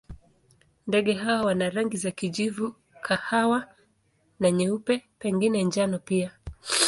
Ndege hawa wana rangi za kijivu, kahawa na nyeupe, pengine njano pia.